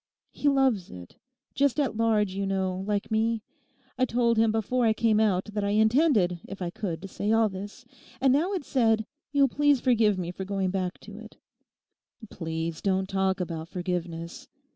He loves it—just at large, you know, like me. I told him before I came out that I intended, if I could, to say all this. And now it's said you'll please forgive me for going back to it.' 'Please don't talk about forgiveness.